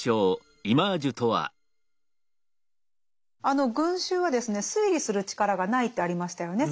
あの群衆はですね推理する力がないってありましたよね